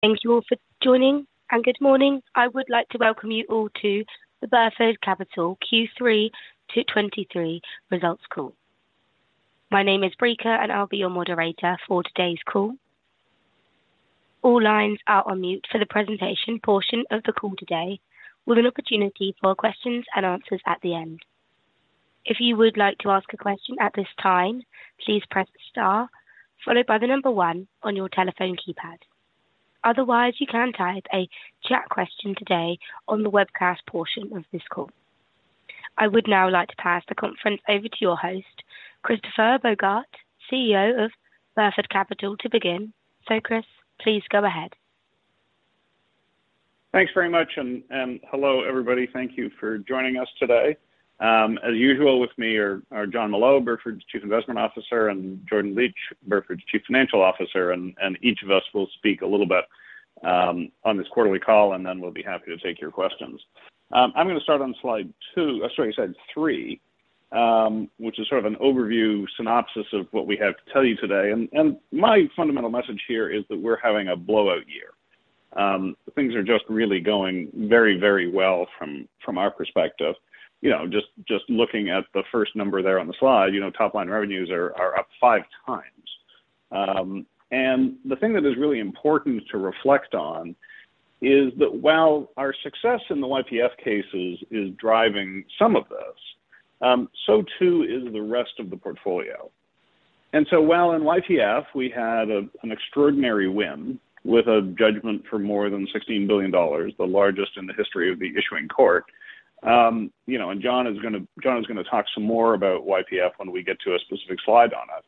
Thank you all for joining, and good morning. I would like to welcome you all to the Burford Capital Q3 2023 results call. My name is Brika, and I'll be your moderator for today's call. All lines are on mute for the presentation portion of the call today, with an opportunity for question-and-answer at the end. If you would like to ask a question at this time, please press star followed by the number one on your telephone keypad. Otherwise, you can type a chat question today on the webcast portion of this call. I would now like to pass the conference over to your host, Christopher Bogart, CEO of Burford Capital, to begin. So, Chris, please go ahead. Thanks very much, and hello, everybody. Thank you for joining us today. As usual, with me are Jonathan Molot, Burford's Chief Investment Officer, and Jordan Licht, Burford's Chief Financial Officer, and each of us will speak a little bit on this quarterly call, and then we'll be happy to take your questions. I'm gonna start on slide 2, or sorry, slide 3, which is sort of an overview synopsis of what we have to tell you today. My fundamental message here is that we're having a blowout year. Things are just really going very, very well from our perspective. You know, just looking at the first number there on the slide, you know, top-line revenues are up 5 times. The thing that is really important to reflect on is that while our success in the YPF cases is driving some of this, so too is the rest of the portfolio. While in YPF, we had an extraordinary win with a judgment for more than $16 billion, the largest in the history of the issuing court. You know, Jon is gonna talk some more about YPF when we get to a specific slide on it.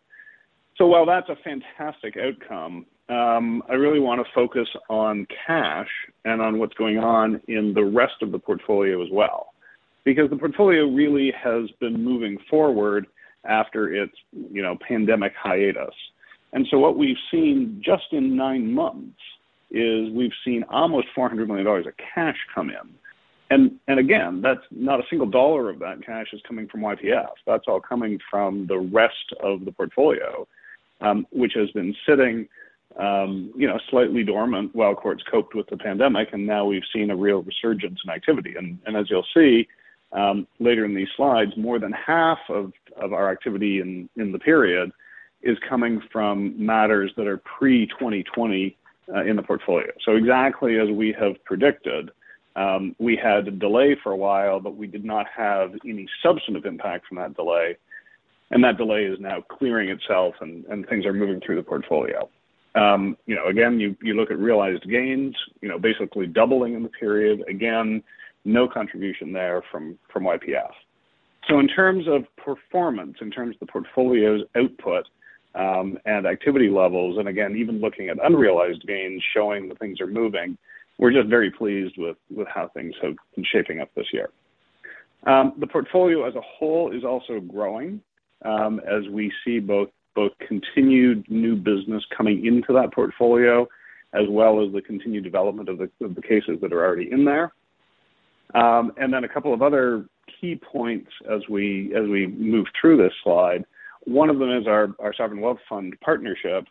So while that's a fantastic outcome, I really wanna focus on cash and on what's going on in the rest of the portfolio as well, because the portfolio really has been moving forward after its, you know, pandemic hiatus. What we've seen just in nine months is we've seen almost $400 million of cash come in. And again, that's not a single dollar of that cash is coming from YPF. That's all coming from the rest of the portfolio, which has been sitting, you know, slightly dormant while courts coped with the pandemic, and now we've seen a real resurgence in activity. And as you'll see later in these slides, more than half of our activity in the period is coming from matters that are pre-2020 in the portfolio. So exactly as we have predicted, we had a delay for a while, but we did not have any substantive impact from that delay, and that delay is now clearing itself and things are moving through the portfolio. You know, again, you look at realized gains, you know, basically doubling in the period. Again, no contribution there from YPF. So in terms of performance, in terms of the portfolio's output, and activity levels, and again, even looking at unrealized gains, showing that things are moving, we're just very pleased with how things have been shaping up this year. The portfolio as a whole is also growing, as we see both continued new business coming into that portfolio, as well as the continued development of the cases that are already in there. And then a couple of other key points as we move through this slide. One of them is our sovereign wealth fund partnership,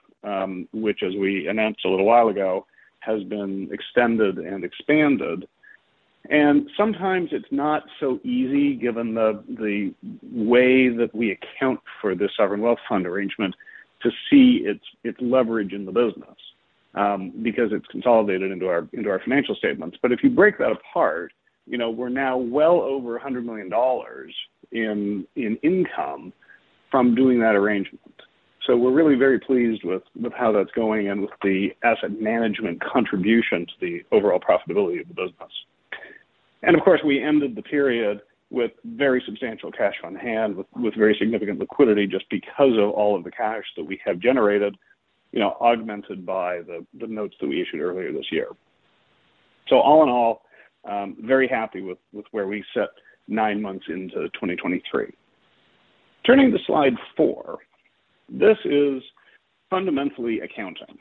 which, as we announced a little while ago, has been extended and expanded. Sometimes it's not so easy, given the way that we account for this sovereign wealth fund arrangement, to see its leverage in the business, because it's consolidated into our financial statements. But if you break that apart, you know, we're now well over $100 million in income from doing that arrangement. So we're really very pleased with how that's going and with the asset management contribution to the overall profitability of the business. And of course, we ended the period with very substantial cash on hand, with very significant liquidity, just because of all of the cash that we have generated, you know, augmented by the notes that we issued earlier this year. So all in all, very happy with where we sit nine months into 2023. Turning to slide 4, this is fundamentally accounting.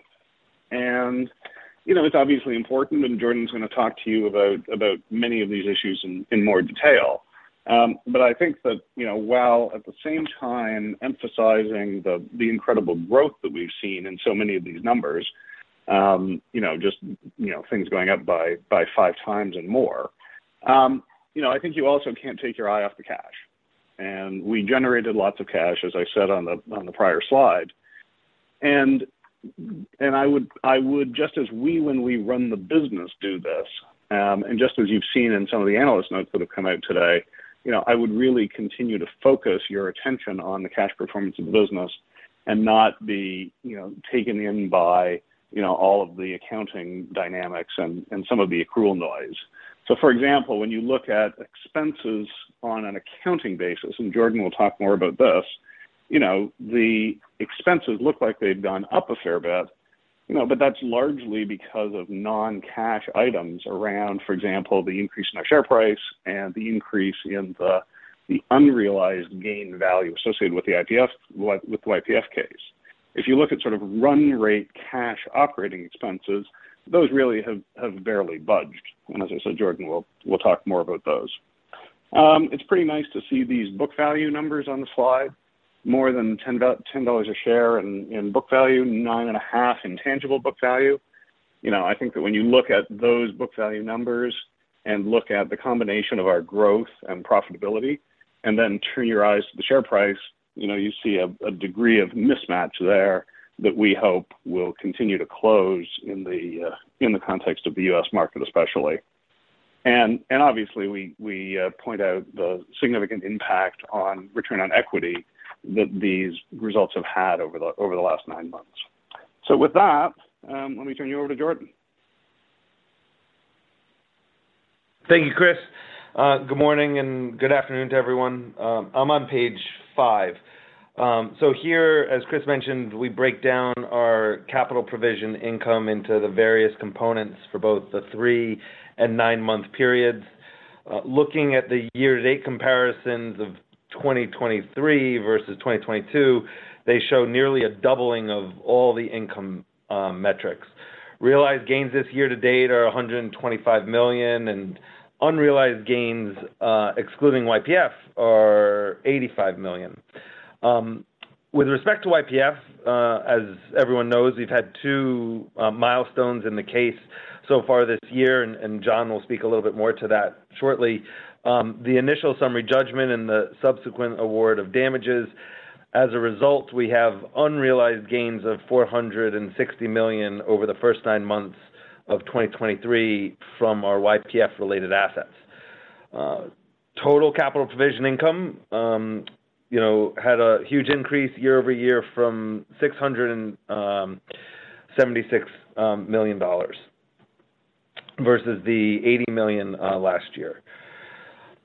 You know, it's obviously important, and Jordan's gonna talk to you about about many of these issues in in more detail. But I think that, you know, while at the same time emphasizing the the incredible growth that we've seen in so many of these numbers, you know, just, you know, things going up by by five times and more. You know, I think you also can't take your eye off the cash. We generated lots of cash, as I said on the prior slide. And I would, just as we, when we run the business, do this, and just as you've seen in some of the analyst notes that have come out today, you know, I would really continue to focus your attention on the cash performance of the business and not be, you know, taken in by, you know, all of the accounting dynamics and some of the accrual noise. So, for example, when you look at expenses on an accounting basis, and Jordan will talk more about this, you know, the expenses look like they've gone up a fair bit, you know, but that's largely because of non-cash items around, for example, the increase in our share price and the increase in the unrealized gain value associated with the YPF case. If you look at sort of run rate cash operating expenses, those really have barely budged. And as I said, Jordan will talk more about those. It's pretty nice to see these book value numbers on the slide. More than $10 a share in book value, 9.5 in tangible book value. You know, I think that when you look at those book value numbers and look at the combination of our growth and profitability, and then turn your eyes to the share price, you know, you see a degree of mismatch there that we hope will continue to close in the context of the U.S. market, especially. And obviously, we point out the significant impact on return on equity that these results have had over the last nine months. With that, let me turn you over to Jordan. Thank you, Chris. Good morning and good afternoon to everyone. I'm on page five. So here, as Chris mentioned, we break down our capital provision income into the various components for both the three and nine-month periods. Looking at the year-to-date comparisons of 2023 versus 2022, they show nearly a doubling of all the income metrics. Realized gains this year-to-date are $125 million, and unrealized gains, excluding YPF, are $85 million. With respect to YPF, as everyone knows, we've had two milestones in the case so far this year, and Jon will speak a little bit more to that shortly. The initial summary judgment and the subsequent award of damages. As a result, we have unrealized gains of $460 million over the first nine months of 2023 from our YPF-related assets. Total capital provision income, you know, had a huge increase year-over-year from $676 million versus the $80 million last year.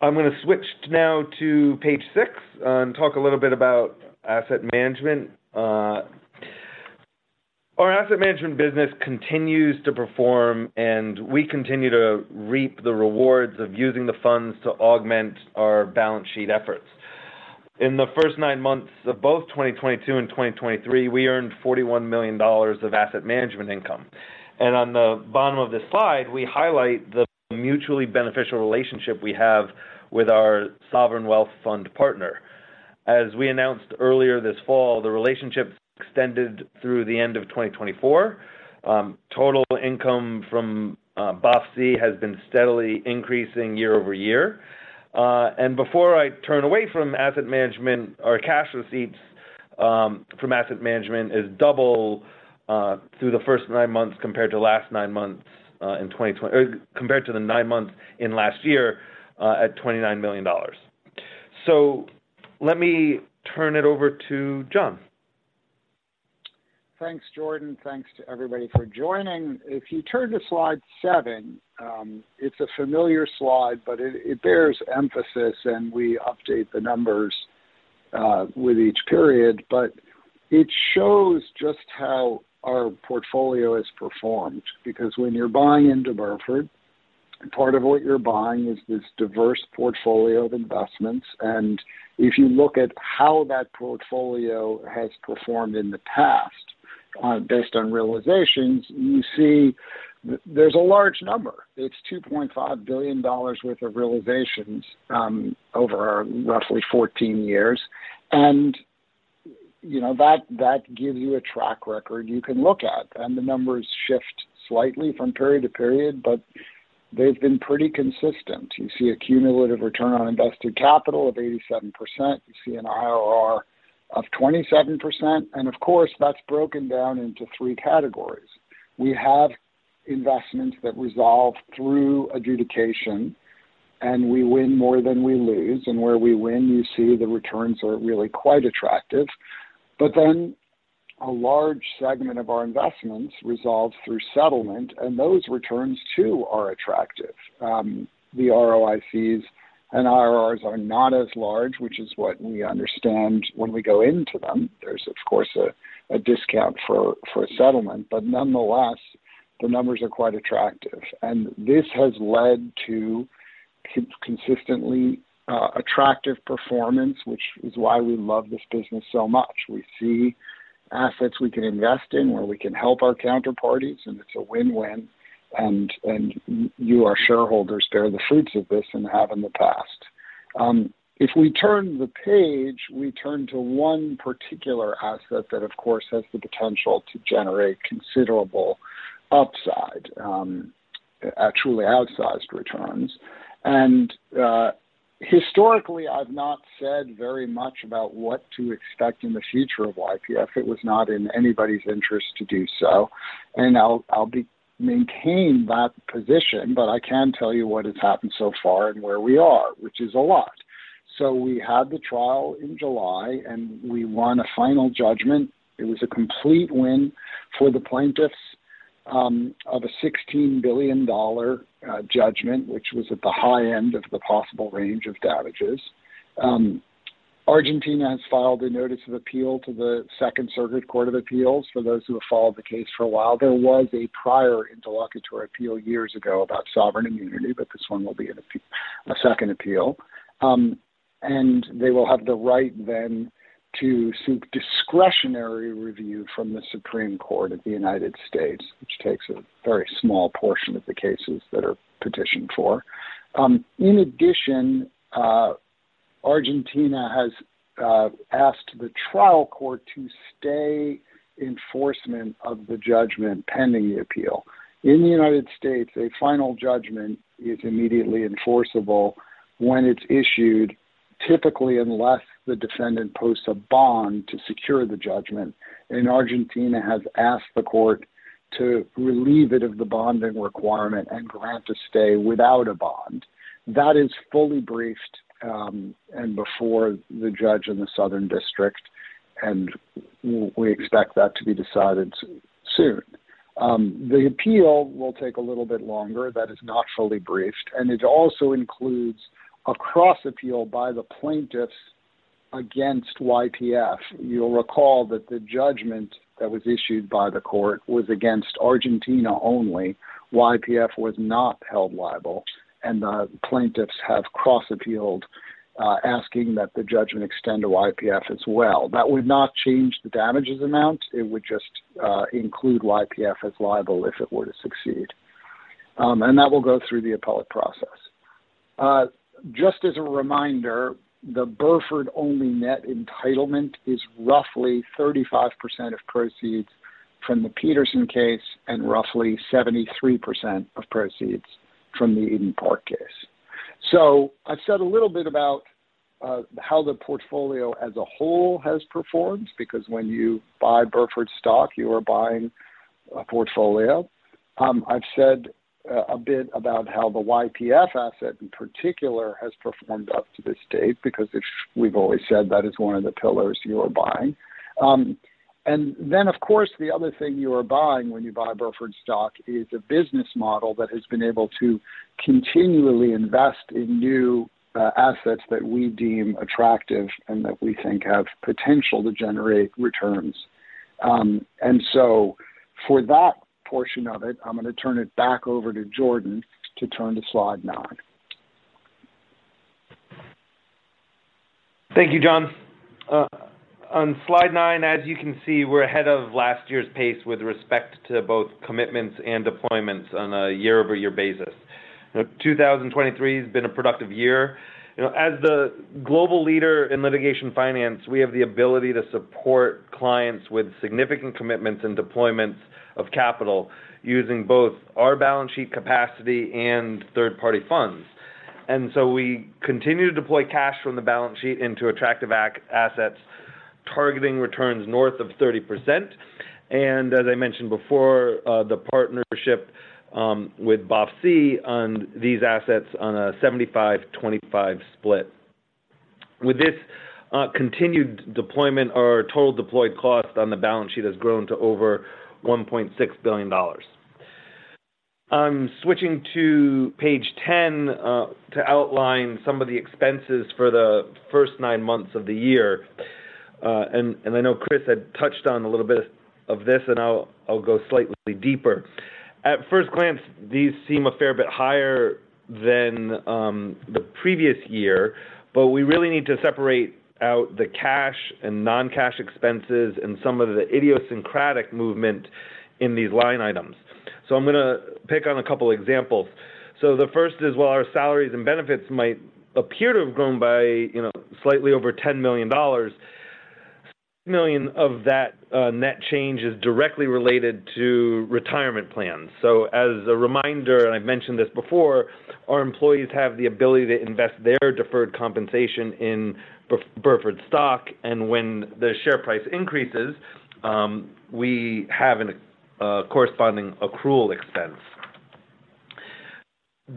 I'm going to switch now to page 6 and talk a little bit about asset management. Our asset management business continues to perform, and we continue to reap the rewards of using the funds to augment our balance sheet efforts. In the first nine months of both 2022 and 2023, we earned $41 million of asset management income. And on the bottom of this slide, we highlight the mutually beneficial relationship we have with our sovereign wealth fund partner. As we announced earlier this fall, the relationship extended through the end of 2024. Total income from BOF-C has been steadily increasing year-over-year. And before I turn away from asset management, our cash receipts from asset management is double through the first nine months compared to the nine months in last year at $29 million. So let me turn it over to Jon. Thanks, Jordan. Thanks to everybody for joining. If you turn to slide 7, it's a familiar slide, but it bears emphasis, and we update the numbers with each period. But it shows just how our portfolio has performed, because when you're buying into Burford, part of what you're buying is this diverse portfolio of investments. And if you look at how that portfolio has performed in the past, based on realizations, you see there's a large number. It's $2.5 billion worth of realizations over our roughly 14 years. And, you know, that gives you a track record you can look at, and the numbers shift slightly from period-to-period, but they've been pretty consistent. You see a cumulative return on invested capital of 87%. You see an IRR of 27%, and of course, that's broken down into three categories. We have investments that resolve through adjudication, and we win more than we lose, and where we win, you see the returns are really quite attractive. But then a large segment of our investments resolve through settlement, and those returns, too, are attractive. The ROICs and IRRs are not as large, which is what we understand when we go into them. There's, of course, a discount for a settlement, but nonetheless, the numbers are quite attractive. And this has led to consistently attractive performance, which is why we love this business so much. We see assets we can invest in, where we can help our counterparties, and it's a win-win, and you, our shareholders, bear the fruits of this and have in the past. If we turn the page, we turn to one particular asset that, of course, has the potential to generate considerable upside, truly outsized returns. Historically, I've not said very much about what to expect in the future of YPF. It was not in anybody's interest to do so, and I'll, I'll be maintain that position, but I can tell you what has happened so far and where we are, which is a lot. So we had the trial in July, and we won a final judgment. It was a complete win for the plaintiffs, of a $16 billion judgment, which was at the high end of the possible range of damages. Argentina has filed a notice of appeal to the Second Circuit Court of Appeals. For those who have followed the case for a while, there was a prior interlocutory appeal years ago about sovereign immunity, but this one will be a second appeal. And they will have the right then to seek discretionary review from the Supreme Court of the United States, which takes a very small portion of the cases that are petitioned for. In addition, Argentina has asked the trial court to stay enforcement of the judgment pending the appeal. In the United States, a final judgment is immediately enforceable when it's issued, typically, unless the defendant posts a bond to secure the judgment, and Argentina has asked the court to relieve it of the bonding requirement and grant a stay without a bond. That is fully briefed, and before the judge in the Southern District, and we expect that to be decided soon. The appeal will take a little bit longer. That is not fully briefed, and it also includes a cross-appeal by the plaintiffs against YPF. You'll recall that the judgment that was issued by the court was against Argentina only. YPF was not held liable, and the plaintiffs have cross-appealed, asking that the judgment extend to YPF as well. That would not change the damages amount. It would just include YPF as liable if it were to succeed. And that will go through the appellate process. Just as a reminder, the Burford only net entitlement is roughly 35% of proceeds from the Petersen case and roughly 73% of proceeds from the Eton Park case. So I've said a little bit about how the portfolio as a whole has performed, because when you buy Burford stock, you are buying a portfolio. I've said a bit about how the YPF asset in particular has performed up to this date, because we've always said that is one of the pillars you are buying. And then, of course, the other thing you are buying when you buy Burford stock is a business model that has been able to continually invest in new assets that we deem attractive and that we think have potential to generate returns. And so for that portion of it, I'm gonna turn it back over to Jordan to turn to slide 9. Thank you, Jon. On slide 9, as you can see, we're ahead of last year's pace with respect to both commitments and deployments on a year-over-year basis. Now, 2023 has been a productive year. You know, as the global leader in litigation finance, we have the ability to support clients with significant commitments and deployments of capital, using both our balance sheet capacity and third-party funds. And so we continue to deploy cash from the balance sheet into attractive assets, targeting returns north of 30%, and as I mentioned before, the partnership with BOF-C on these assets on a 75/25 split. With this continued deployment, our total deployed cost on the balance sheet has grown to over $1.6 billion. I'm switching to page 10 to outline some of the expenses for the first nine months of the year. And, and I know Chris had touched on a little bit of this, and I'll, I'll go slightly deeper. At first glance, these seem a fair bit higher than the previous year, but we really need to separate out the cash and non-cash expenses and some of the idiosyncratic movement in these line items. So I'm gonna pick on a couple examples. So the first is, while our salaries and benefits might appear to have grown by, you know, slightly over $10 million, $6 million of that net change is directly related to retirement plans. So as a reminder, and I've mentioned this before, our employees have the ability to invest their deferred compensation in Burford stock, and when the share price increases, we have a corresponding accrual expense.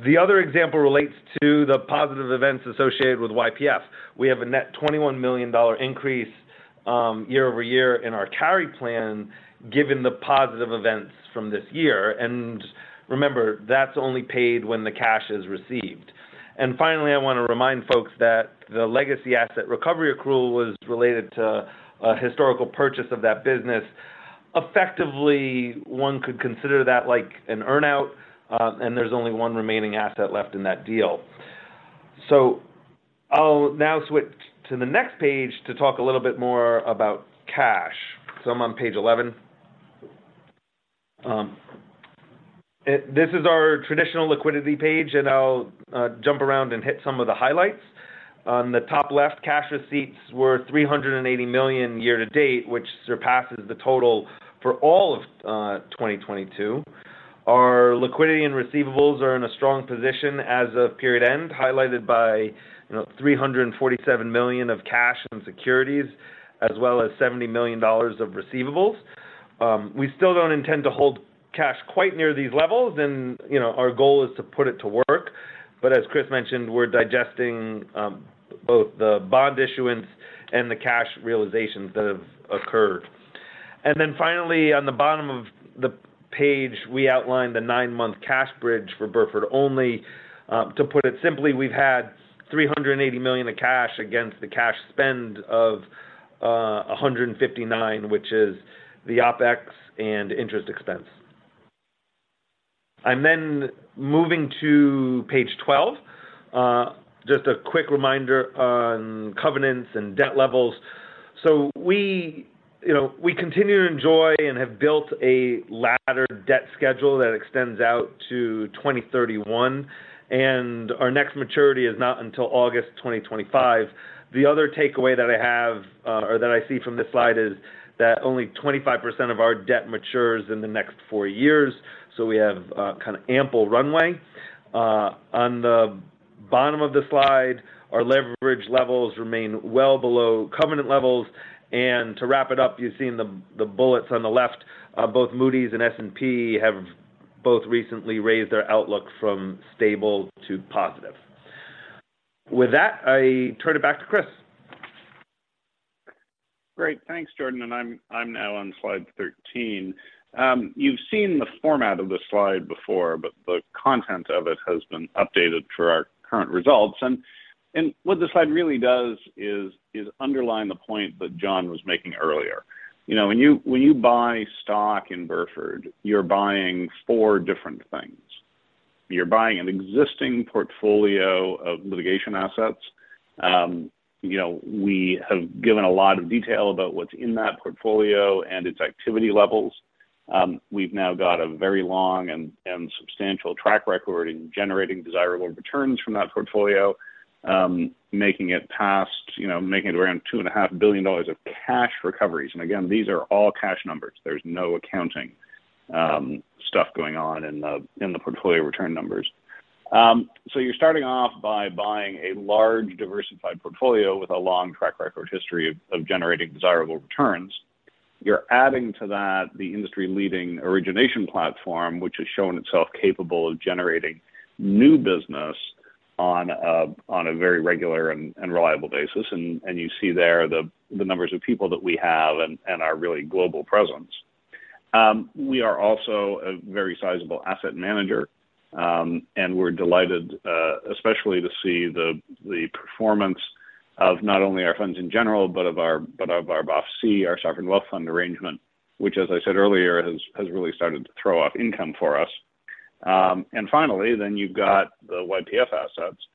The other example relates to the positive events associated with YPF. We have a net $21 million increase year-over-year in our carry plan, given the positive events from this year. And remember, that's only paid when the cash is received. And finally, I want to remind folks that the legacy asset recovery accrual was related to a historical purchase of that business. Effectively, one could consider that like an earn-out, and there's only one remaining asset left in that deal. So I'll now switch to the next page to talk a little bit more about cash. So I'm on page 11. This is our traditional liquidity page, and I'll jump around and hit some of the highlights. On the top left, cash receipts were $380 million year-to-date, which surpasses the total for all of 2022. Our liquidity and receivables are in a strong position as of period end, highlighted by, you know, $347 million of cash and securities, as well as $70 million of receivables. We still don't intend to hold cash quite near these levels, and, you know, our goal is to put it to work. But as Chris mentioned, we're digesting both the bond issuance and the cash realizations that have occurred. And then finally, on the bottom of the page, we outlined the nine-month cash bridge for Burford only. To put it simply, we've had $380 million of cash against the cash spend of $159 million, which is the OpEx and interest expense. I'm then moving to page 12. Just a quick reminder on covenants and debt levels. So we, you know, we continue to enjoy and have built a laddered debt schedule that extends out to 2031, and our next maturity is not until August 2025. The other takeaway that I have, or that I see from this slide is that only 25% of our debt matures in the next four years, so we have kind of ample runway. On the bottom of the slide, our leverage levels remain well below covenant levels, and to wrap it up, you've seen the bullets on the left. Both Moody's and S&P have both recently raised their outlook from stable to positive. With that, I turn it back to Chris. Great. Thanks, Jordan, and I'm now on slide 13. You've seen the format of this slide before, but the content of it has been updated for our current results. And what this slide really does is underline the point that Jon was making earlier. You know, when you buy stock in Burford, you're buying four different things. You're buying an existing portfolio of litigation assets. You know, we have given a lot of detail about what's in that portfolio and its activity levels. We've now got a very long and substantial track record in generating desirable returns from that portfolio, making it past, you know, making it around $2.5 billion of cash recoveries, and again, these are all cash numbers. There's no accounting stuff going on in the portfolio return numbers. So you're starting off by buying a large, diversified portfolio with a long track record history of generating desirable returns. You're adding to that the industry-leading origination platform, which has shown itself capable of generating new business on a very regular and reliable basis, and you see there the numbers of people that we have and our really global presence. We are also a very sizable asset manager, and we're delighted, especially to see the performance of not only our funds in general, but of our BOF-C, our sovereign wealth fund arrangement, which, as I said earlier, really started to throw off income for us. And finally, then you've got the YPF assets,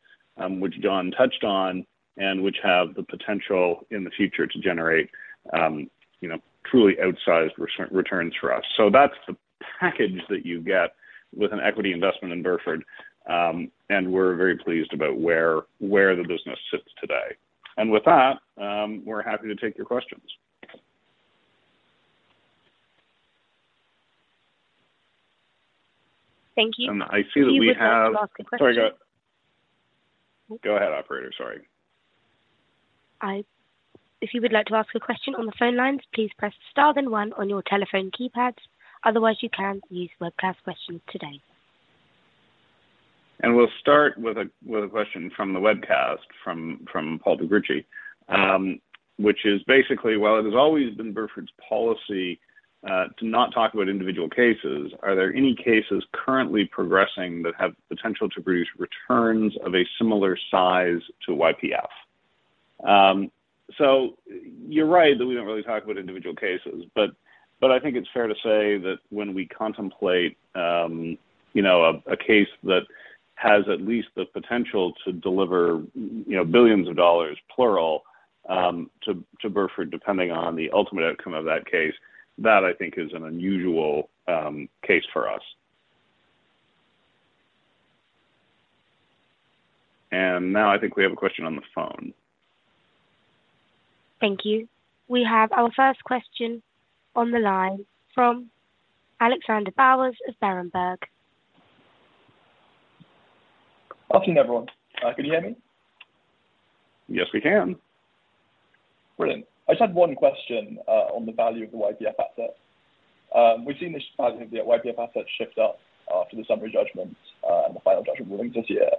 which Jon touched on and which have the potential in the future to generate, you know, truly outsized returns for us. So that's the package that you get with an equity investment in Burford, and we're very pleased about where the business sits today. And with that, we're happy to take your questions. Thank you. I see that we have- If you would like to ask a question- Sorry, go ahead, operator. Sorry. If you would like to ask a question on the phone lines, please press star, then one on your telephone keypads. Otherwise, you can use webcast questions today. We'll start with a question from the webcast, from Paul de Gruchy, which is basically, while it has always been Burford's policy to not talk about individual cases, are there any cases currently progressing that have potential to produce returns of a similar size to YPF? So you're right that we don't really talk about individual cases. But I think it's fair to say that when we contemplate, you know, a case that has at least the potential to deliver, you know, billions of dollars, plural, to Burford, depending on the ultimate outcome of that case, that I think is an unusual case for us. And now, I think we have a question on the phone. Thank you. We have our first question on the line from Alexander Bowers of Berenberg. Afternoon, everyone. Can you hear me? Yes, we can. Brilliant. I just had one question on the value of the YPF asset. We've seen this value of the YPF asset shift up for the summary judgment and the final judgment ruling this year.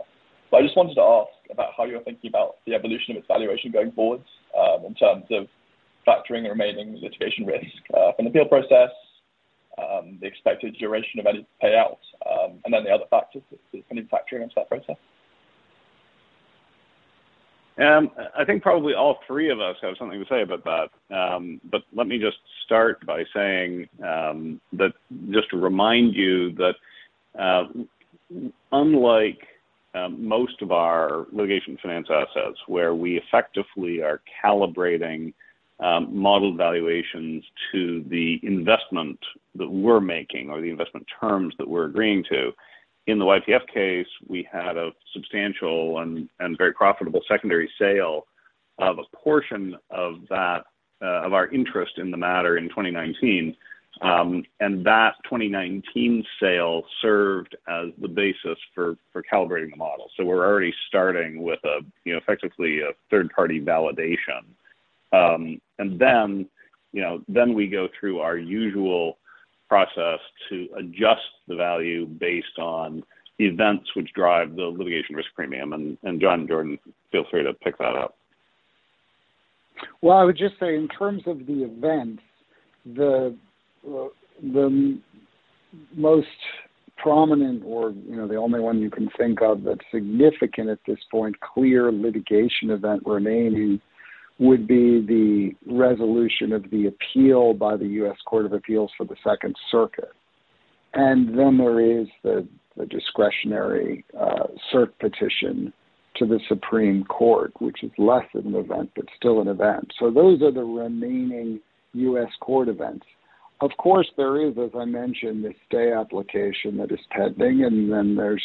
But I just wanted to ask about how you're thinking about the evolution of its valuation going forward in terms of factoring the remaining litigation risk from the appeal process, the expected duration of any payouts, and then the other factors that, that are factoring into that process? I think probably all three of us have something to say about that. But let me just start by saying, that just to remind you that, unlike, most of our litigation finance assets, where we effectively are calibrating, model valuations to the investment that we're making or the investment terms that we're agreeing to, in the YPF case, we had a substantial and, and very profitable secondary sale of a portion of that, of our interest in the matter in 2019. And that 2019 sale served as the basis for, for calibrating the model. So we're already starting with a, you know, effectively a third-party validation. And then, you know, then we go through our usual process to adjust the value based on the events which drive the litigation risk premium. Jon, Jordan, feel free to pick that up. Well, I would just say in terms of the event, the most prominent or, you know, the only one you can think of that's significant at this point, clear litigation event remaining, would be the resolution of the appeal by the U.S. Court of Appeals for the Second Circuit. And then there is the discretionary cert petition to the Supreme Court, which is less of an event, but still an event. So those are the remaining U.S. court events. Of course, there is, as I mentioned, the stay application that is pending, and then there's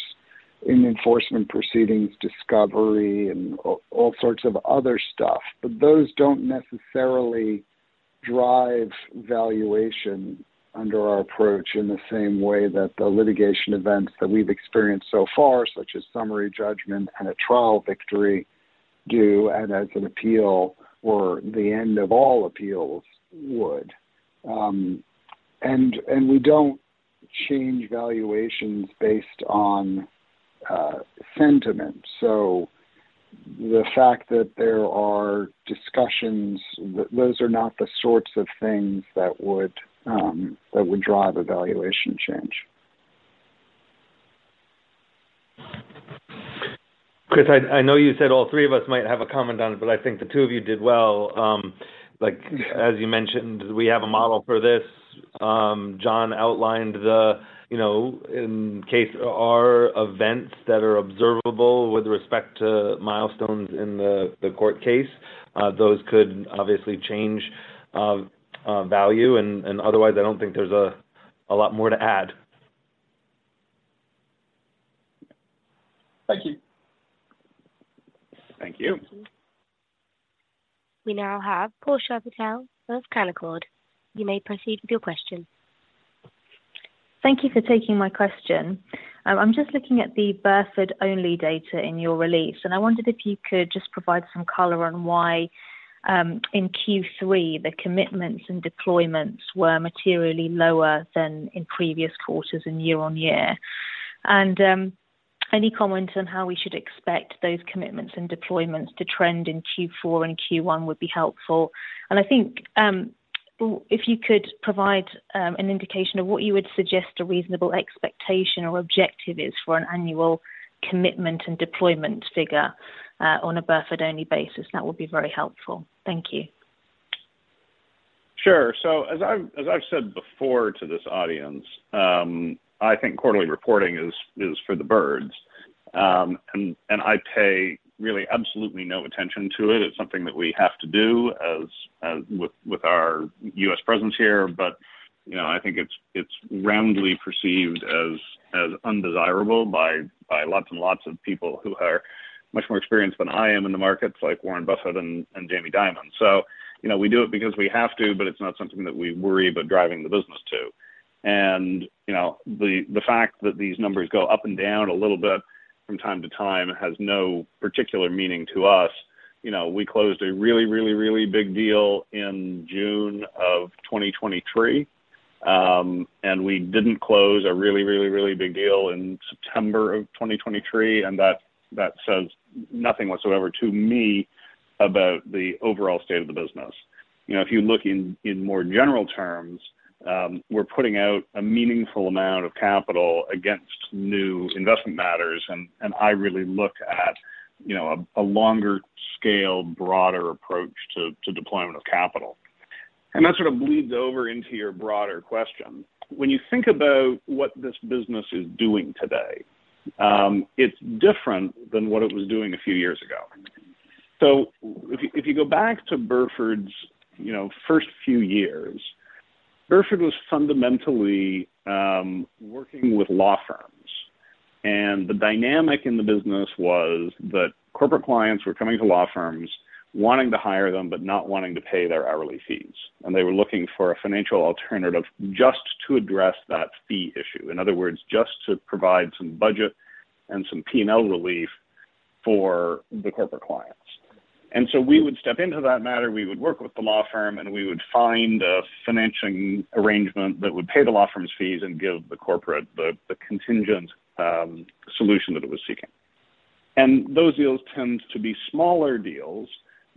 enforcement proceedings, discovery, and all sorts of other stuff. But those don't necessarily drive valuation under our approach in the same way that the litigation events that we've experienced so far, such as summary judgment and a trial victory, do, and as an appeal or the end of all appeals would. And we don't change valuations based on sentiment. So the fact that there are discussions, those are not the sorts of things that would, that would drive a valuation change. Chris, I know you said all three of us might have a comment on it, but I think the two of you did well. Like, as you mentioned, we have a model for this. Jon outlined the you know in case there are events that are observable with respect to milestones in the court case, those could obviously change value, and otherwise, I don't think there's a lot more to add. Thank you. Thank you. We now have Portia Patel of Canaccord. You may proceed with your question. Thank you for taking my question. I'm just looking at the Burford-only data in your release, and I wondered if you could just provide some color on why, in Q3, the commitments and deployments were materially lower than in previous quarters and year-on-year? And, any comments on how we should expect those commitments and deployments to trend in Q4 and Q1 would be helpful. And I think, if you could provide, an indication of what you would suggest a reasonable expectation or objective is for an annual commitment and deployment figure, on a Burford-only basis, that would be very helpful. Thank you. Sure. So as I've, as I've said before to this audience, I think quarterly reporting is, is for the birds. And I pay really absolutely no attention to it. It's something that we have to do as with our U.S. presence here, but, you know, I think it's roundly perceived as undesirable by lots and lots of people who are much more experienced than I am in the markets, like Warren Buffett and Jamie Dimon. So, you know, we do it because we have to, but it's not something that we worry about driving the business to. And, you know, the fact that these numbers go up and down a little bit from time to time has no particular meaning to us. You know, we closed a really, really, really big deal in June of 2023, and we didn't close a really, really, really big deal in September of 2023, and that, that says nothing whatsoever to me about the overall state of the business. You know, if you look in, in more general terms, we're putting out a meaningful amount of capital against new investment matters, and, and I really look at, you know, a, a longer scale, broader approach to, to deployment of capital. That sort of bleeds over into your broader question. When you think about what this business is doing today, it's different than what it was doing a few years ago. So if you go back to Burford's, you know, first few years, Burford was fundamentally working with law firms, and the dynamic in the business was that corporate clients were coming to law firms wanting to hire them, but not wanting to pay their hourly fees. And they were looking for a financial alternative just to address that fee issue. In other words, just to provide some budget and some P&L relief for the corporate clients. And so we would step into that matter, we would work with the law firm, and we would find a financing arrangement that would pay the law firm's fees and give the corporate the contingent solution that it was seeking. And those deals tend to be smaller deals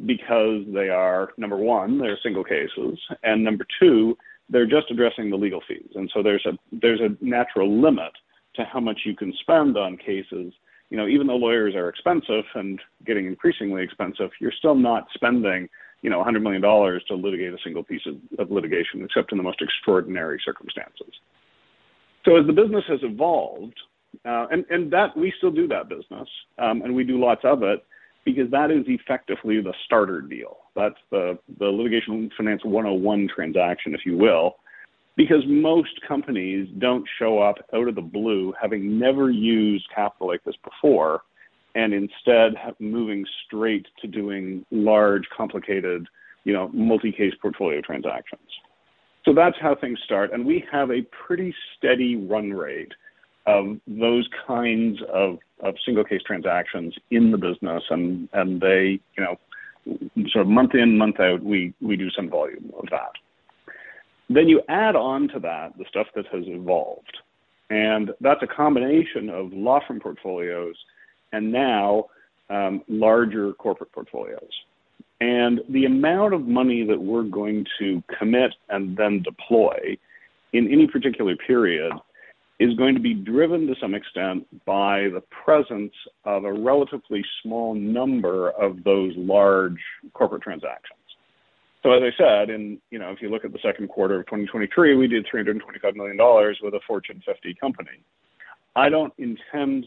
because they are, number one, they're single cases, and number two, they're just addressing the legal fees. And so there's a natural limit to how much you can spend on cases. You know, even though lawyers are expensive and getting increasingly expensive, you're still not spending, you know, $100 million to litigate a single piece of litigation, except in the most extraordinary circumstances. So as the business has evolved, and we still do that business, and we do lots of it because that is effectively the starter deal. That's the litigation finance 101 transaction, if you will, because most companies don't show up out of the blue, having never used capital like this before, and instead, have moving straight to doing large, complicated, you know, multi-case portfolio transactions. So that's how things start, and we have a pretty steady run rate of those kinds of, of single case transactions in the business, and, and they, you know, sort of month in, month out, we, we do some volume of that. Then you add on to that, the stuff that has evolved, and that's a combination of law firm portfolios and now, larger corporate portfolios. And the amount of money that we're going to commit and then deploy in any particular period is going to be driven to some extent by the presence of a relatively small number of those large corporate transactions. So, as I said, and, you know, if you look at the second quarter of 2023, we did $325 million with a Fortune 50 company. I don't imagine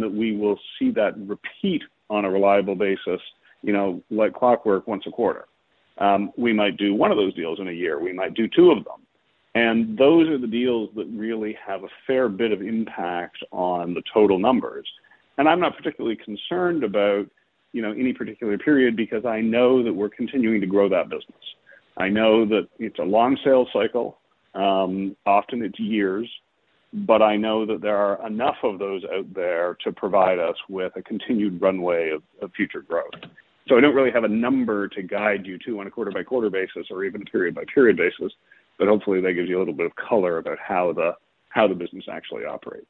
that we will see that repeat on a reliable basis, you know, like clockwork, once a quarter. We might do one of those deals in a year, we might do two of them, and those are the deals that really have a fair bit of impact on the total numbers. And I'm not particularly concerned about, you know, any particular period because I know that we're continuing to grow that business. I know that it's a long sales cycle, often it's years, but I know that there are enough of those out there to provide us with a continued runway of future growth. I don't really have a number to guide you to on a quarter-by-quarter basis or even a period-by-period basis, but hopefully, that gives you a little bit of color about how the business actually operates.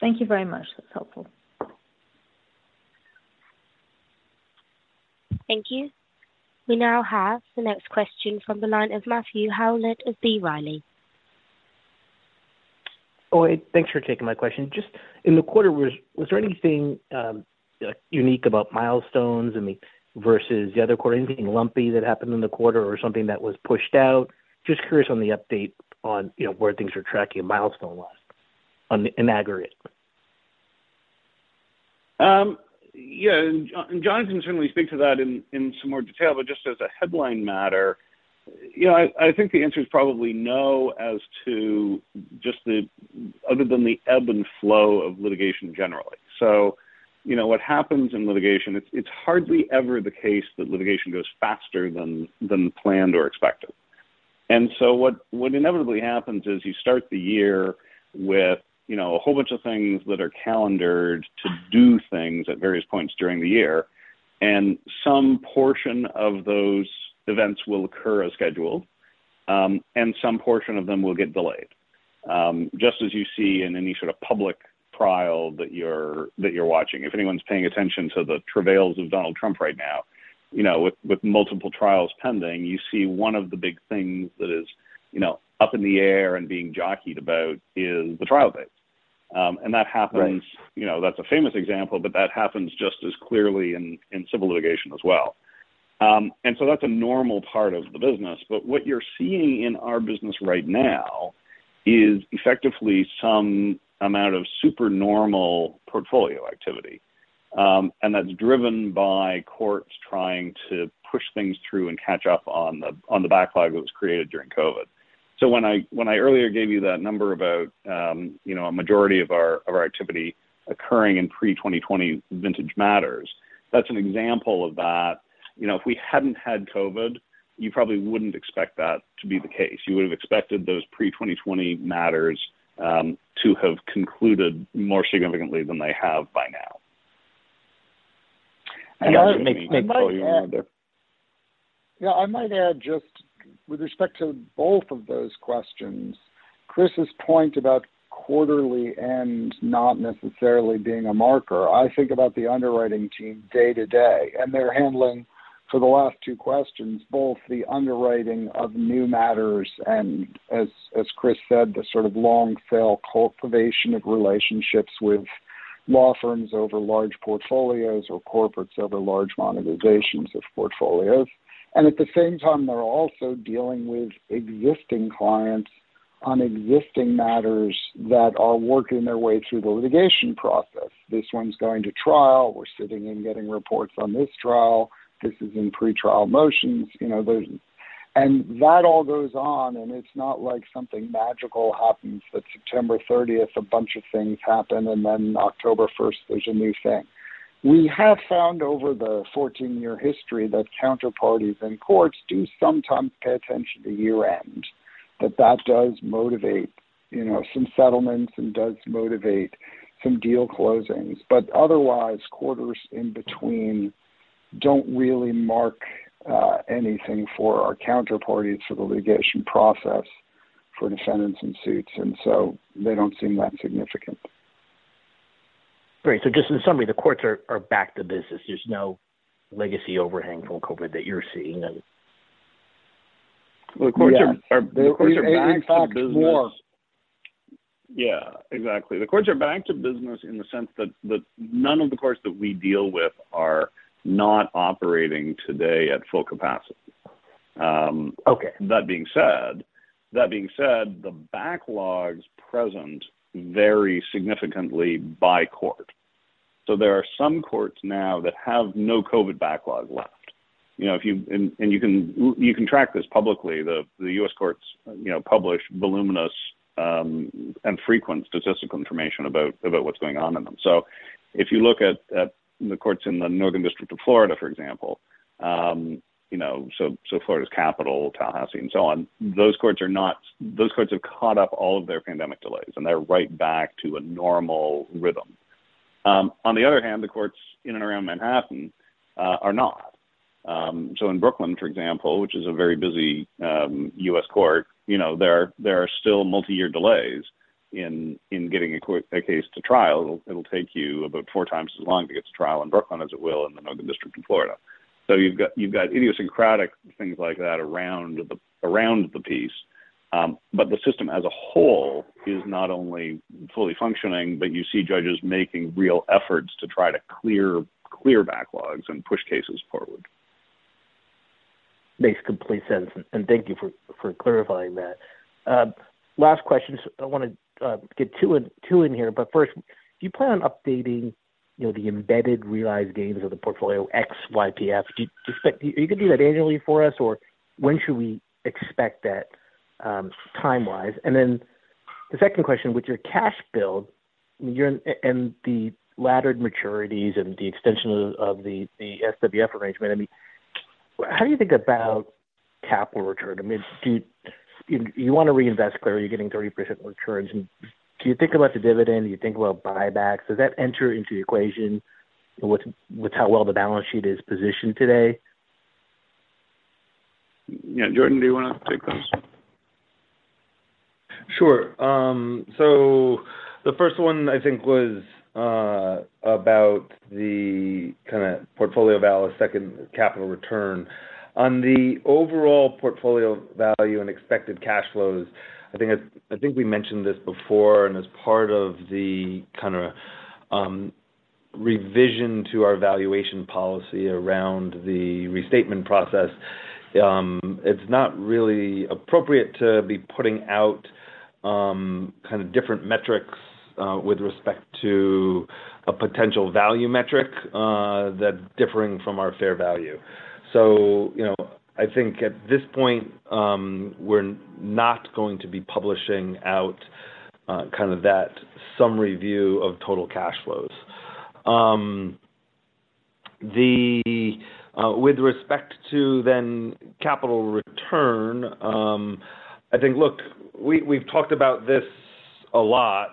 Thank you very much. That's helpful. Thank you. We now have the next question from the line of Matthew Howlett of B. Riley. Oh, hey, thanks for taking my question. Just in the quarter, was there anything unique about milestones and the versus the other quarter, anything lumpy that happened in the quarter or something that was pushed out? Just curious on the update on, you know, where things are tracking in milestone-wise, on in aggregate. Yeah, and Jonathan can certainly speak to that in some more detail, but just as a headline matter, you know, I think the answer is probably no as to just the other than the ebb and flow of litigation generally. So, you know, what happens in litigation, it's hardly ever the case that litigation goes faster than planned or expected. And so what inevitably happens is you start the year with, you know, a whole bunch of things that are calendared to do things at various points during the year, and some portion of those events will occur as scheduled, and some portion of them will get delayed. Just as you see in any sort of public trial that you're watching. If anyone's paying attention to the travails of Donald Trump right now, you know, with, with multiple trials pending, you see one of the big things that is, you know, up in the air and being jockeyed about is the trial date. And that happens- Right. You know, that's a famous example, but that happens just as clearly in, in civil litigation as well. And so that's a normal part of the business. But what you're seeing in our business right now is effectively some amount of super normal portfolio activity. And that's driven by courts trying to push things through and catch up on the, on the backlog that was created during COVID. So when I earlier gave you that number about, you know, a majority of our activity occurring in pre-2020 vintage matters, that's an example of that. You know, if we hadn't had COVID, you probably wouldn't expect that to be the case. You would have expected those pre-2020 matters to have concluded more significantly than they have by now. That makes sense. Go ahead. Yeah, I might add, just with respect to both of those questions, Chris's point about quarterly end not necessarily being a marker. I think about the underwriting team day to day, and they're handling, for the last two questions, both the underwriting of new matters and as, as Chris said, the sort of long-tail cultivation of relationships with law firms over large portfolios or corporates over large monetizations of portfolios. And at the same time, they're also dealing with existing clients on existing matters that are working their way through the litigation process. This one's going to trial, we're sitting in getting reports on this trial. This is in pretrial motions, you know, there's, and that all goes on, and it's not like something magical happens that September 30th, a bunch of things happen, and then October 1st, there's a new thing. We have found over the 14-year history that counterparties and courts do sometimes pay attention to year-end, that that does motivate, you know, some settlements and does motivate some deal closings. But otherwise, quarters in between don't really mark anything for our counterparties to the litigation process for defendants and suits, and so they don't seem that significant. Great. So just in summary, the courts are back to business. There's no legacy overhang from COVID that you're seeing then? The courts are- Yeah. The courts are back to business. They talk more. Yeah, exactly. The courts are back to business in the sense that, that none of the courts that we deal with are not operating today at full capacity. Okay. That being said, the backlogs present vary significantly by court. So there are some courts now that have no COVID backlog left. You know, you can track this publicly. The U.S. courts, you know, publish voluminous and frequent statistical information about what's going on in them. So if you look at the courts in the Northern District of Florida, for example, you know, Florida's capital, Tallahassee, and so on, those courts have caught up all of their pandemic delays, and they're right back to a normal rhythm. On the other hand, the courts in and around Manhattan are not. So in Brooklyn, for example, which is a very busy U.S. court, you know, there are still multi-year delays. In getting a quick case to trial, it'll take you about four times as long to get to trial in Brooklyn as it will in the Northern District of Florida. So you've got idiosyncratic things like that around the piece. But the system as a whole is not only fully functioning, but you see judges making real efforts to try to clear backlogs and push cases forward. Makes complete sense, and thank you for clarifying that. Last question. I want to get two in here, but first, do you plan on updating, you know, the embedded realized gains of the portfolio YPF? Do you expect— You could do that annually for us, or when should we expect that time-wise? And then the second question, with your cash build, you're in, and the laddered maturities and the extension of the SWF arrangement. I mean, how do you think about capital return? I mean, do you want to reinvest, clearly, you're getting 30% returns. Do you think about the dividend? Do you think about buybacks? Does that enter into the equation with how well the balance sheet is positioned today? Yeah, Jordan, do you want to take those? Sure. So the first one, I think, was about the kind of portfolio value, second capital return. On the overall portfolio value and expected cash flows, I think we mentioned this before, and as part of the kind of revision to our valuation policy around the restatement process, it's not really appropriate to be putting out kind of different metrics with respect to a potential value metric that's differing from our fair value. So, you know, I think at this point, we're not going to be publishing out kind of that summary view of total cash flows. With respect to then capital return, I think, look, we've talked about this a lot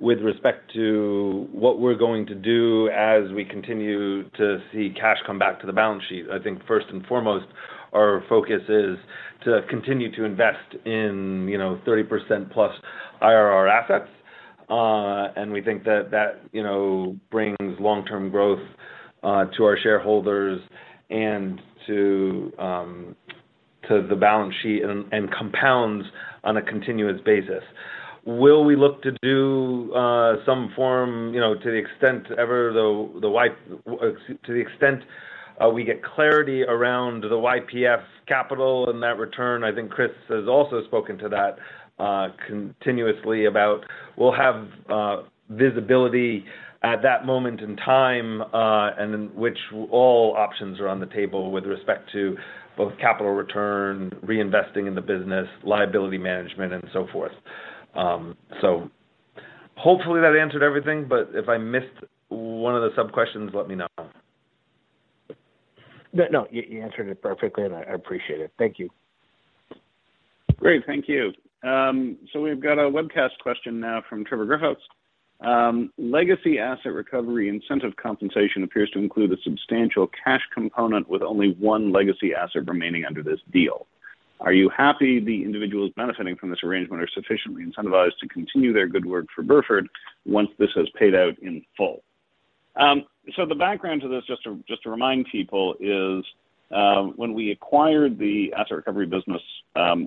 with respect to what we're going to do as we continue to see cash come back to the balance sheet. I think first and foremost, our focus is to continue to invest in, you know, 30%+ IRR assets. And we think that that, you know, brings long-term growth to our shareholders and to the balance sheet and compounds on a continuous basis. Will we look to do some form, you know, to the extent ever, though, to the extent we get clarity around the YPF capital and that return, I think Chris has also spoken to that continuously about we'll have visibility at that moment in time, and then which all options are on the table with respect to both capital return, reinvesting in the business, liability management, and so forth. So hopefully that answered everything, but if I missed one of the sub-questions, let me know. No, no, you answered it perfectly, and I appreciate it. Thank you. Great. Thank you. So we've got a webcast question now from Trevor Griffiths. Legacy asset recovery incentive compensation appears to include a substantial cash component with only one legacy asset remaining under this deal. Are you happy the individuals benefiting from this arrangement are sufficiently incentivized to continue their good work for Burford once this has paid out in full? So the background to this, just to remind people, is, when we acquired the asset recovery business,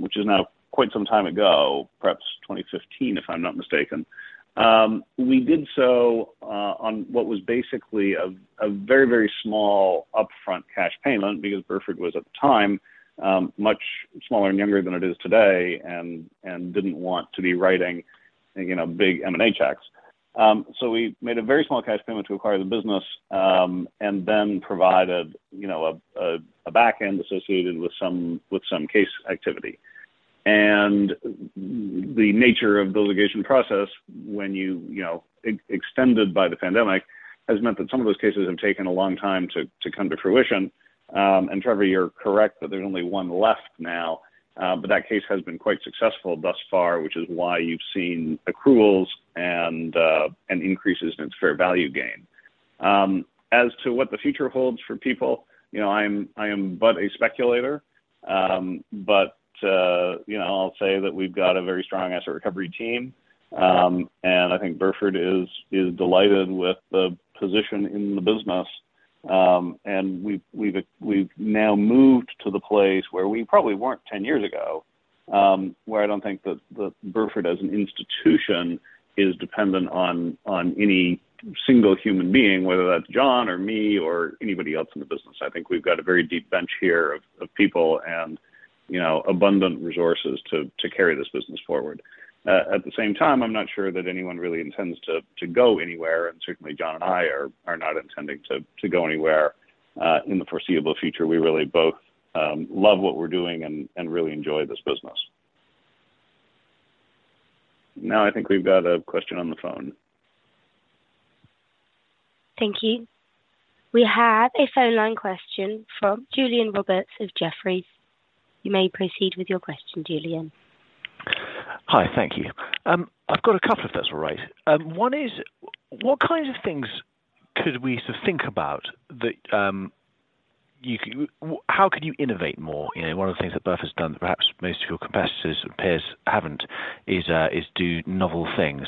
which is now quite some time ago, perhaps 2015, if I'm not mistaken, we did so, on what was basically a very, very small upfront cash payment, because Burford was, at the time, much smaller and younger than it is today and didn't want to be writing, you know, big M&A checks. So we made a very small cash payment to acquire the business, and then provided, you know, a back end associated with some case activity. And the nature of the litigation process, when you, you know, extended by the pandemic, has meant that some of those cases have taken a long time to come to fruition. And Trevor, you're correct that there's only one left now, but that case has been quite successful thus far, which is why you've seen accruals and increases in its fair value gain. As to what the future holds for people, you know, I am but a speculator. But, you know, I'll say that we've got a very strong asset recovery team, and I think Burford is delighted with the position in the business. We've now moved to the place where we probably weren't 10 years ago, where I don't think that the Burford as an institution is dependent on any single human being, whether that's Jon or me or anybody else in the business. I think we've got a very deep bench here of people and, you know, abundant resources to carry this business forward. At the same time, I'm not sure that anyone really intends to go anywhere, and certainly Jon and I are not intending to go anywhere in the foreseeable future. We really both love what we're doing and really enjoy this business. Now, I think we've got a question on the phone. Thank you. We have a phone line question from Julian Roberts of Jefferies. You may proceed with your question, Julian. Hi, thank you. I've got a couple, if that's all right. One is, what kinds of things could we sort of think about that, how can you innovate more? You know, one of the things that Burford has done, perhaps most of your competitors and peers haven't, is do novel things.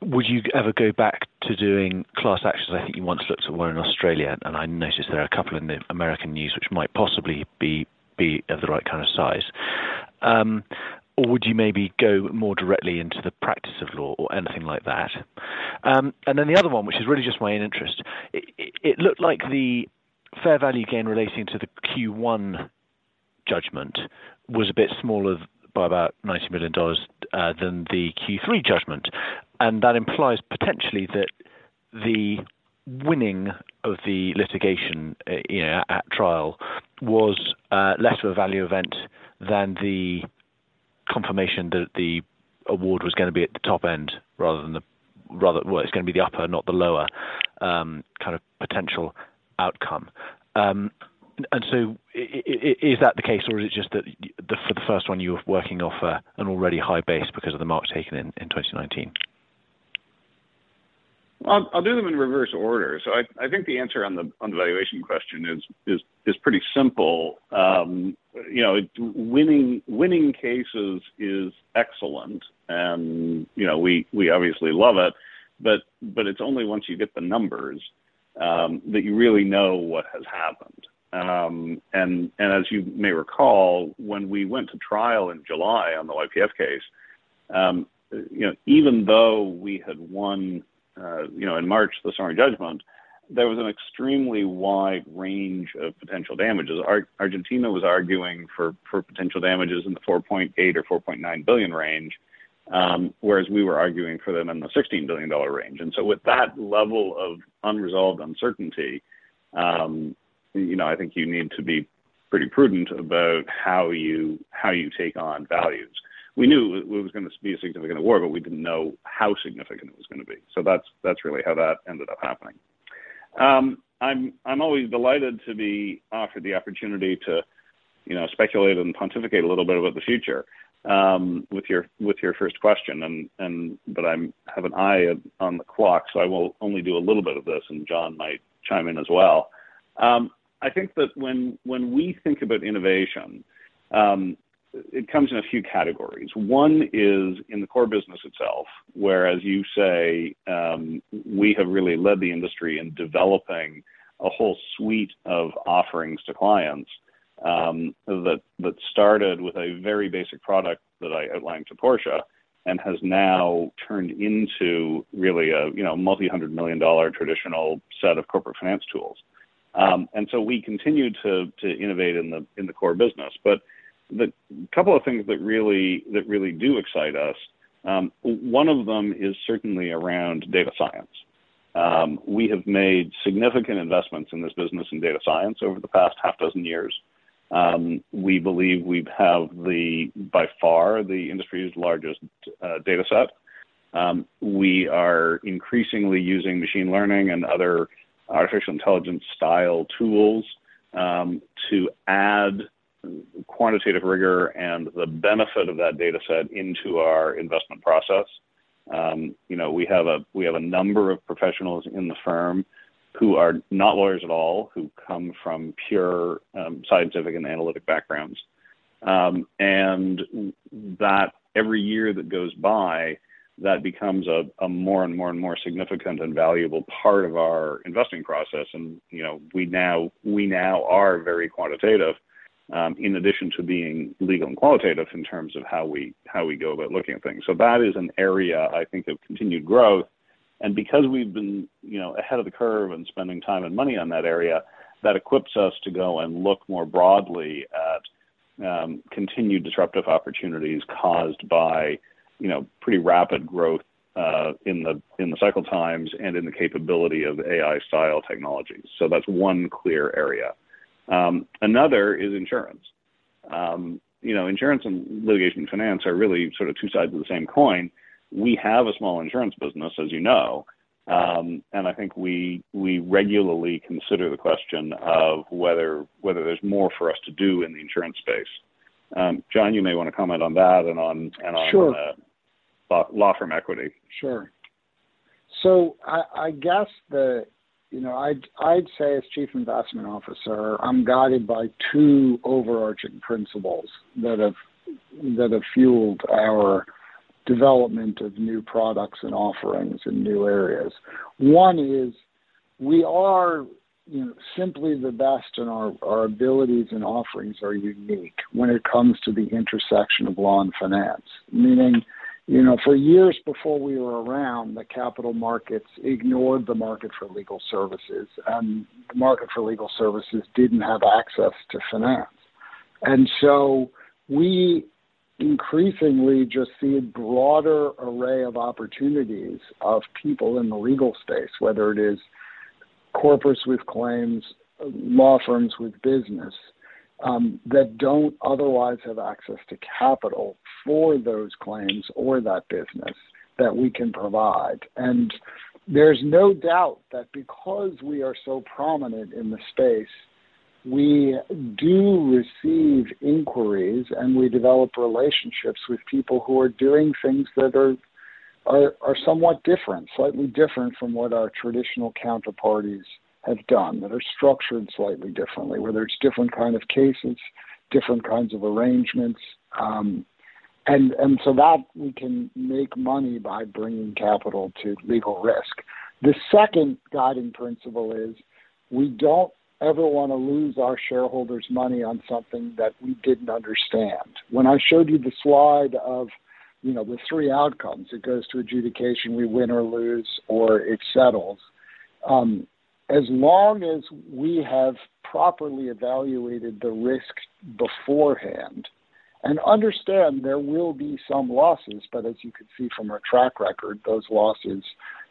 Would you ever go back to doing class actions? I think you once looked at one in Australia, and I noticed there are a couple in the American news which might possibly be of the right kind of size. Or would you maybe go more directly into the practice of law or anything like that? And then the other one, which is really just my interest, it looked like the fair value gain relating to the Q1 judgment was a bit smaller by about $90 million than the Q3 judgment, and that implies potentially that the winning of the litigation, you know, at trial was less of a value event than the confirmation that the award was gonna be at the top end rather than the... Rather, well, it's gonna be the upper, not the lower kind of potential outcome. And so is that the case, or is it just that the for the first one, you were working off an already high base because of the mark taken in 2019? Well, I'll do them in reverse order. So I think the answer on the valuation question is pretty simple. You know, winning cases is excellent, and, you know, we obviously love it, but it's only once you get the numbers that you really know what has happened. And as you may recall, when we went to trial in July on the YPF case, you know, even though we had won in March, the summary judgment, there was an extremely wide range of potential damages. Argentina was arguing for potential damages in the $4.8 or $4.9 billion range, whereas we were arguing for them in the $16 billion range. With that level of unresolved uncertainty, you know, I think you need to be pretty prudent about how you take on values. We knew it was gonna be a significant award, but we didn't know how significant it was gonna be. That's really how that ended up happening. I'm always delighted to be offered the opportunity to, you know, speculate and pontificate a little bit about the future with your first question, and but I have an eye on the clock, so I will only do a little bit of this, and Jon might chime in as well. I think that when we think about innovation, it comes in a few categories. One is in the core business itself, where, as you say, we have really led the industry in developing a whole suite of offerings to clients, that started with a very basic product that I outlined to Portia and has now turned into really a, you know, multi-hundred million dollar traditional set of corporate finance tools. And so we continue to innovate in the core business. But the couple of things that really do excite us, one of them is certainly around data science. We have made significant investments in this business and data science over the past half dozen years. We believe we have the, by far, the industry's largest data set. We are increasingly using machine learning and other artificial intelligence-style tools to add quantitative rigor and the benefit of that data set into our investment process. You know, we have a number of professionals in the firm who are not lawyers at all, who come from pure scientific and analytic backgrounds. And that every year that goes by, that becomes a more and more significant and valuable part of our investing process, and, you know, we now are very quantitative in addition to being legal and qualitative in terms of how we go about looking at things. So that is an area, I think, of continued growth, and because we've been, you know, ahead of the curve in spending time and money on that area, that equips us to go and look more broadly at, continued disruptive opportunities caused by, you know, pretty rapid growth in the cycle times and in the capability of AI-style technologies. So that's one clear area. Another is insurance. You know, insurance and litigation finance are really sort of two sides of the same coin. We have a small insurance business, as you know, and I think we regularly consider the question of whether there's more for us to do in the insurance space. Jon, you may want to comment on that and on the- Sure. Law firm equity. Sure. So, I guess the... You know, I'd say, as Chief Investment Officer, I'm guided by two overarching principles that have, that have fueled our development of new products and offerings in new areas. One is, we are, you know, simply the best, and our, our abilities and offerings are unique when it comes to the intersection of law and finance. Meaning, you know, for years before we were around, the capital markets ignored the market for legal services, and the market for legal services didn't have access to finance. And so we increasingly just see a broader array of opportunities of people in the legal space, whether it is corporates with claims, law firms with business, that don't otherwise have access to capital for those claims or that business that we can provide. There's no doubt that because we are so prominent in the space. We do receive inquiries, and we develop relationships with people who are doing things that are somewhat different, slightly different from what our traditional counterparties have done, that are structured slightly differently, whether it's different kind of cases, different kinds of arrangements, and so that we can make money by bringing capital to legal risk. The second guiding principle is we don't ever want to lose our shareholders' money on something that we didn't understand. When I showed you the slide of, you know, the three outcomes, it goes to adjudication, we win or lose, or it settles. As long as we have properly evaluated the risk beforehand and understand there will be some losses, but as you can see from our track record, those losses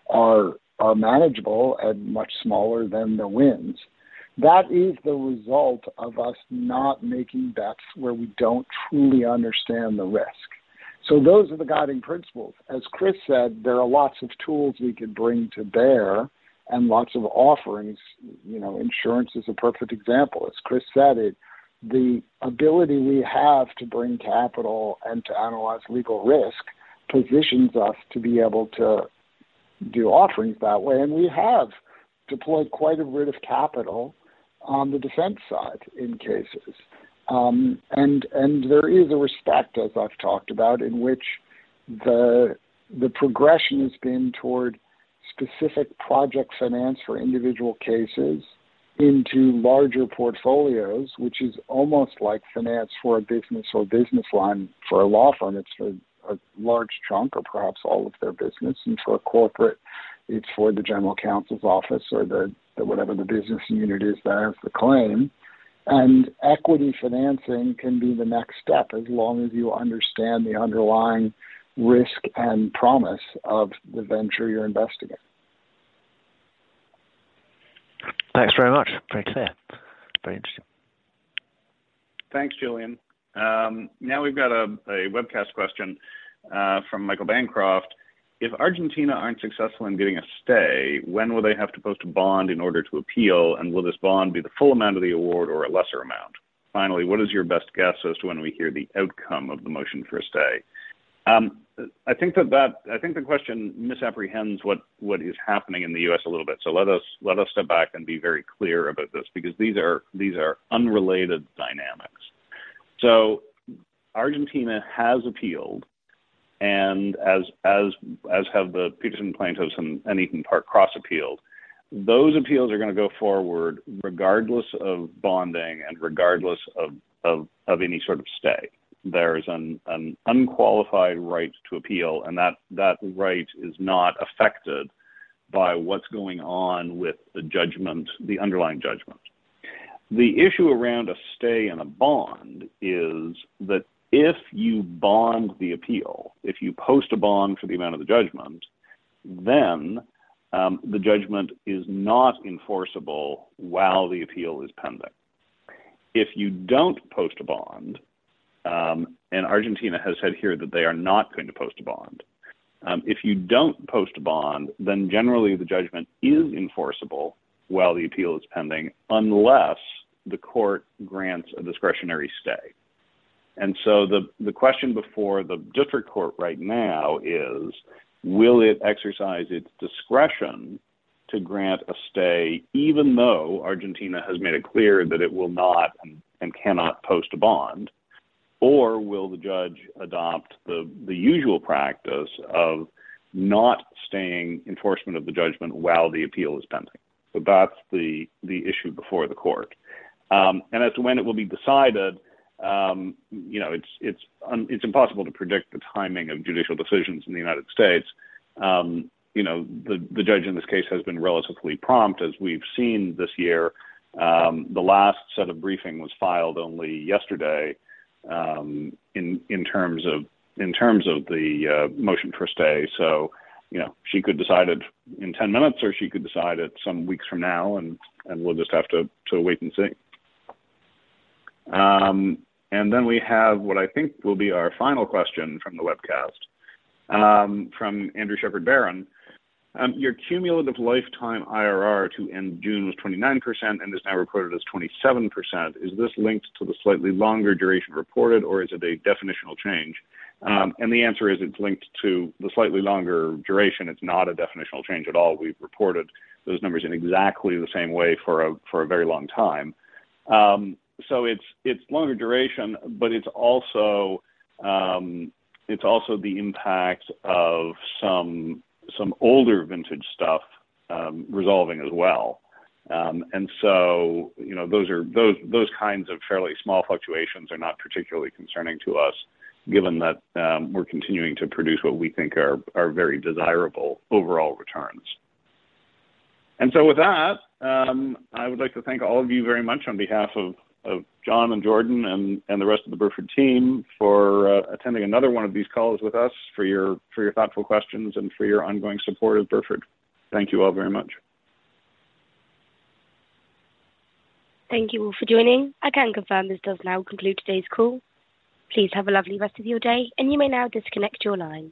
are manageable and much smaller than the wins. That is the result of us not making bets where we don't truly understand the risk. So those are the guiding principles. As Chris said, there are lots of tools we could bring to bear and lots of offerings. You know, insurance is a perfect example. As Chris said it, the ability we have to bring capital and to analyze legal risk positions us to be able to do offerings that way, and we have deployed quite a bit of capital on the defense side in cases. There is a respect, as I've talked about, in which the progression has been toward specific project finance for individual cases into larger portfolios, which is almost like finance for a business or business line for a law firm. It's a large chunk or perhaps all of their business, and for a corporate, it's for the general counsel's office or the whatever the business unit is there for claim. And equity financing can be the next step, as long as you understand the underlying risk and promise of the venture you're investing in. Thanks very much. Very clear. Very interesting. Thanks, Julian. Now we've got a webcast question from Michael Bancroft. If Argentina aren't successful in getting a stay, when will they have to post a bond in order to appeal? And will this bond be the full amount of the award or a lesser amount? Finally, what is your best guess as to when we hear the outcome of the motion for a stay? I think the question misapprehends what is happening in the U.S. a little bit. So let us step back and be very clear about this, because these are unrelated dynamics. So Argentina has appealed, and as have the Petersen plaintiffs and Eton Park cross-appealed. Those appeals are going to go forward regardless of bonding and regardless of any sort of stay. There is an unqualified right to appeal, and that right is not affected by what's going on with the judgment, the underlying judgment. The issue around a stay and a bond is that if you bond the appeal, if you post a bond for the amount of the judgment, then the judgment is not enforceable while the appeal is pending. If you don't post a bond, and Argentina has said here that they are not going to post a bond, if you don't post a bond, then generally the judgment is enforceable while the appeal is pending, unless the court grants a discretionary stay. And so the question before the district court right now is: Will it exercise its discretion to grant a stay, even though Argentina has made it clear that it will not and cannot post a bond? Or will the judge adopt the usual practice of not staying enforcement of the judgment while the appeal is pending? So that's the issue before the court. And as to when it will be decided, you know, it's impossible to predict the timing of judicial decisions in the United States. You know, the judge in this case has been relatively prompt, as we've seen this year. The last set of briefing was filed only yesterday, in terms of the motion for a stay. So, you know, she could decide it in 10 minutes, or she could decide it some weeks from now, and we'll just have to wait and see. And then we have what I think will be our final question from the webcast, from Andrew Shepherd-Barron. Your cumulative lifetime IRR to end June was 29% and is now reported as 27%. Is this linked to the slightly longer duration reported, or is it a definitional change? And the answer is: It's linked to the slightly longer duration. It's not a definitional change at all. We've reported those numbers in exactly the same way for a very long time. So it's longer duration, but it's also the impact of some older vintage stuff resolving as well. And so, you know, those kinds of fairly small fluctuations are not particularly concerning to us, given that we're continuing to produce what we think are very desirable overall returns. And so with that, I would like to thank all of you very much on behalf of Jon and Jordan and the rest of the Burford team for attending another one of these calls with us, for your thoughtful questions, and for your ongoing support of Burford. Thank you all very much. Thank you all for joining. I can confirm this does now conclude today's call. Please have a lovely rest of your day, and you may now disconnect your lines.